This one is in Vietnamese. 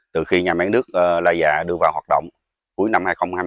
từ khi nhà máy nước la già đưa vào hoạt động cuối năm hai nghìn hai mươi hai với công suất